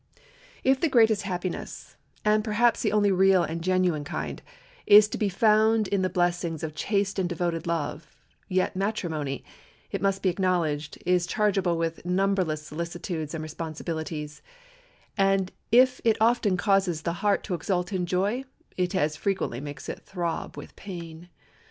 If the greatest happiness, and perhaps the only real and genuine kind, is to be found in the blessings of chaste and devoted love, yet matrimony, it must be acknowledged, is chargeable with numberless solicitudes and responsibilities; and if it often causes the heart to exult in joy, it as frequently makes it throb with pain.